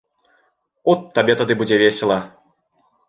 От табе тады будзе весела!